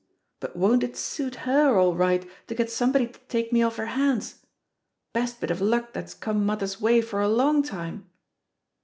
But won't it suit her all right to get some body to take me off her hands 1 Best bit of luck that's come mother's way for a long time."